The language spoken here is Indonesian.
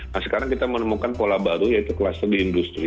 nah sekarang kita menemukan pola baru yaitu kluster di industri